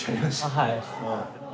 はい。